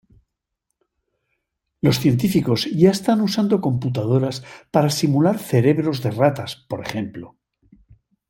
Los científicos ya están usando computadoras para simular cerebros de ratas, por ejemplo.